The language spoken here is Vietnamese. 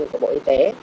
như bộ y tế